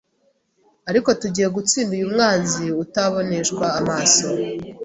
Ariko tugiye gutsinda uyu mwanzi utaboneshwa amaso.